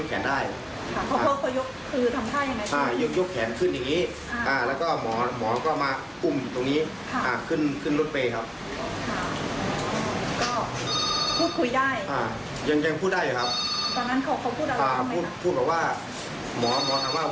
มองถามว่าไวไหมอ่าเขาบอกว่าไม่ไหวอ่าแต่เขายังเขายัง